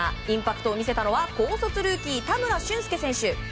インパクトを見せたのは高卒ルーキー田村俊介選手。